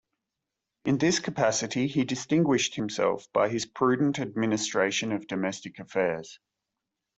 In this capacity he distinguished himself by his prudent administration of domestic affairs.